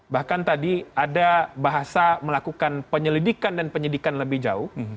bahkan tadi ada bahasa melakukan penyelidikan dan penyidikan lebih jauh